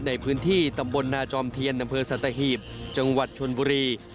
ในพื้นที่ตำบลนาจอมเทียนอำเภอสัตหีบจังหวัดชนบุรี